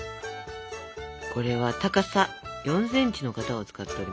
これは高さ４センチの型を使っております。